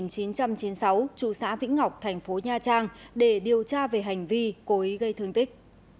tỉnh chín trăm chín mươi sáu chú xã vĩnh ngọc thành phố nha trang để điều tra về hành vi cố ý gây thương tích